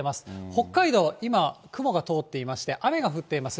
北海道、今、雲が通っていまして、雨が降っています。